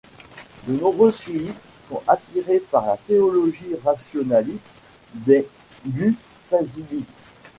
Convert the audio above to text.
De nombreux chiites sont attirés par la théologie rationaliste des mu`tazilites.